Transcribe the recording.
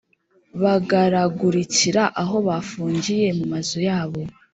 bagaragurikira aho bafungiye mu mazu yabo,